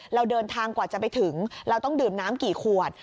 เราเดินทางกว่าจะไปถึงเราต้องดื่มน้ำกี่ขวด